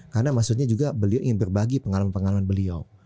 karena maksudnya juga beliau ingin berbagi pengalaman pengalaman beliau